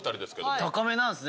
高めなんですね。